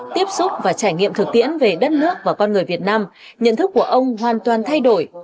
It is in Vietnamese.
sau một thời gian dài quan sát tiếp xúc và trải nghiệm thực tiễn về đất nước và con người việt nam nhận thức của ông hoàn toàn thay đổi